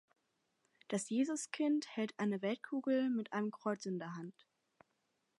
Das Jesuskind hält eine Weltkugel mit einem Kreuz in der Hand.